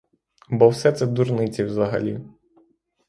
Бо все це дурниці взагалі.